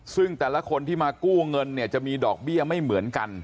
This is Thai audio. ซึ่งแต่ละคนที่มากู้เงินเนี่ยจะมีดอกเบี้ยไม่เหมือนกัน